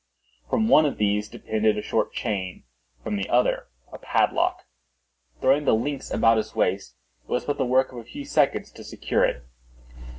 From one of these depended a short chain, from the other a padlock. Throwing the links about his waist, it was but the work of a few seconds to secure it.